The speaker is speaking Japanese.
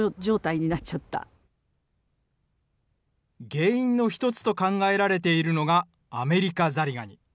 原因の一つと考えられているのが、アメリカザリガニ。